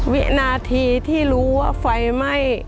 วินาทีที่รู้ว่าไฟไหม้